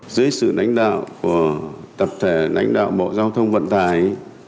dưới sự đánh đạo của tập thể đánh đạo bộ giao thông vận tài